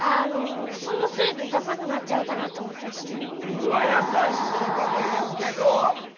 うわっ優しいこと言うけど。